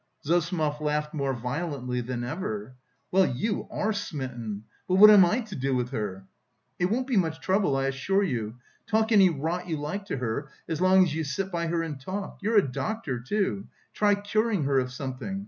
Zossimov laughed more violently than ever. "Well, you are smitten! But what am I to do with her?" "It won't be much trouble, I assure you. Talk any rot you like to her, as long as you sit by her and talk. You're a doctor, too; try curing her of something.